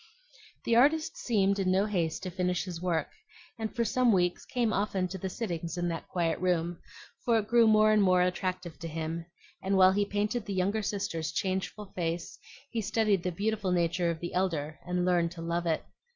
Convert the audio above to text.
The artist seemed in no haste to finish his work, and for some weeks came often to the sittings in that quiet room; for it grew more and more attractive to him, and while he painted the younger sister's changeful face he studied the beautiful nature of the elder and learned to love it.